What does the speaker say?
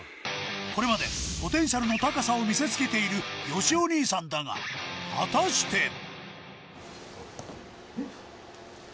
これまでポテンシャルの高さを見せつけているよしお兄さんだが果たして？